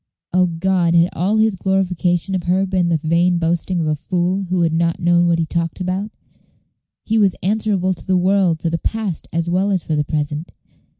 O God, had all his glorification of her been the vain boasting of a fool who had not known what he talked about? He was answerable to the world for the past as well as for the present.